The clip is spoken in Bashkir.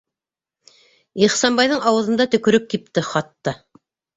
Ихсанбайҙың ауыҙында төкөрөк кипте хатта.